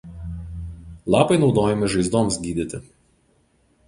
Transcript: Lapai naudojami žaizdoms gydyti.